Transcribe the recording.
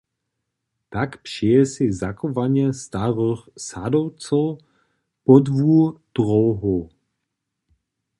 Tak přeje sej zachowanje starych sadowcow podłu dróhow.